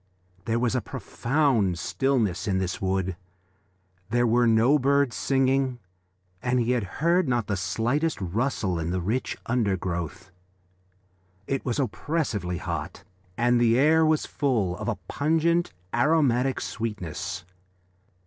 There was a profound stillness in this wood; there were no birds singing and he heard not the slightest rustle in the rich undergrowth. It was oppressively hot and the air was full of a pungent, aromatic sweetness.